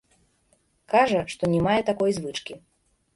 Кажа, што не мае такой звычкі.